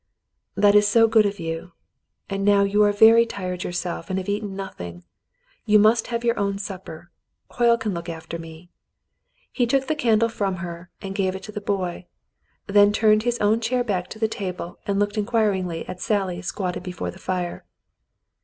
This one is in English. "That is so good of you. And now you are very tired yourself and have eaten nothing. You must have your own supper. Hoyle can look after me." He took the candle from her and gave it to the boy, then turned his own chair back to the table and looked inquiringly at Sally squatted before the fire.